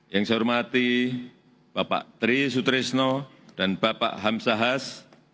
yang saya hormati bapak tri sutresno dan bapak hamsa has